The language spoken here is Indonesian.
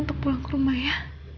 untuk pulang ke rumah ya